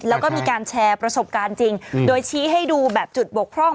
แล้วก็มีการแชร์ประสบการณ์จริงโดยชี้ให้ดูแบบจุดบกพร่อง